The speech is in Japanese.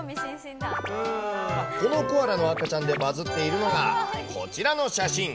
このコアラの赤ちゃんでバズっているのが、こちらの写真。